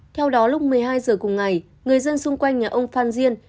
theo đó lúc một mươi hai giờ cùng ngày người dân xung quanh nhà ông phan diên